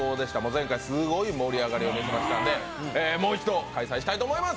前回すごい盛り上がりを見せましたんでもう一度開催したいと思います。